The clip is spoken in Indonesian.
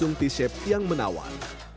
pengunjung t shape yang menawan